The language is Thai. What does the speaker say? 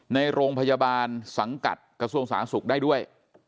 ในโรงพยาบาลสังกัดกระทรวงสาธารณสุขได้ด้วย